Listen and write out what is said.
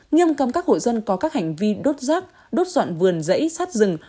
nghiêm cấm các hội dân có các hành vi đốt rác đốt dọn vườn rẫy sát rừng